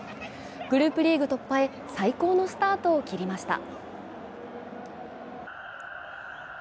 グループリーグ突破へ最高のスタートを切りました。